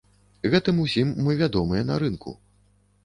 Гэтым усім мы вядомыя на рынку.